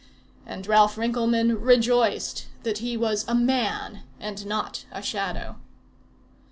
And Ralph Rinkelmann rejoiced that he was a man, and not a Shadow.